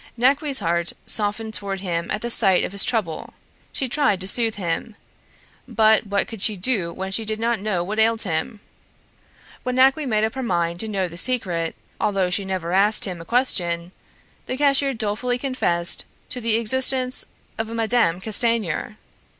Naqui's heart softened toward him at the sight of his trouble; she tried to soothe him, but what could she do when she did not know what ailed him? When Naqui made up her mind to know the secret, although she never asked him a question, the cashier dolefully confessed to the existence of a Mme. Castanier.